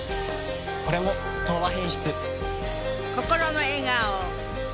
これも「東和品質」。